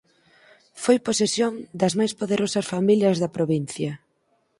Foi posesión das máis poderosas familias da provincia.